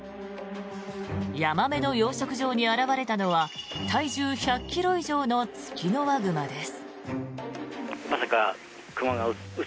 ヤマメの養殖場に現れたのは体重１００ｋｇ以上のツキノワグマです。